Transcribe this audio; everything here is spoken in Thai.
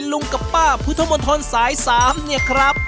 ลุงกับป้าพุทธมนตรสาย๓เนี่ยครับ